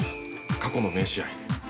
過去の名試合。